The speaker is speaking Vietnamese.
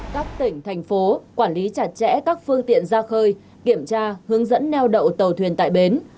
các tỉnh thành phố quản lý chặt chẽ các phương tiện ra khơi kiểm tra hướng dẫn neo đậu tàu thuyền tại bến